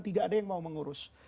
tidak ada yang mau mengurus